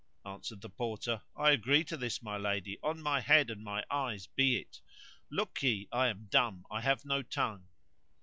Answered the Porter, "I agree to this, O my lady, on my head and my eyes be it! Lookye, I am dumb, I have no tongue.